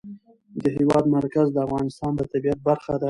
د هېواد مرکز د افغانستان د طبیعت برخه ده.